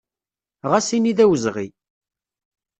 Ɣas ini d awezɣi.